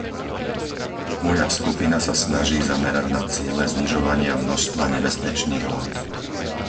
Moja skupina sa snaží zamerať na ciele znižovania množstva nebezpečných látok.